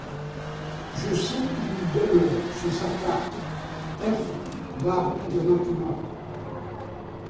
Je sais où il demeure, j’ai sa carte: F., baron de Macumer.